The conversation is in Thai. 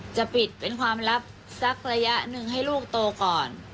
จะปิดเป็นความลับสักระยะหนึ่งให้ลูกโตก่อน